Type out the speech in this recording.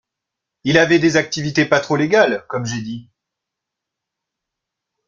Il avait des activités pas trop légales, comme j’ai dit